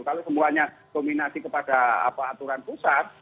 kalau semuanya kombinasi kepada apa aturan pusat